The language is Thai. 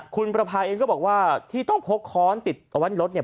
คุณประพาเองก็บอกว่าที่ต้องพกค้อนติดเอาไว้ในรถเนี่ย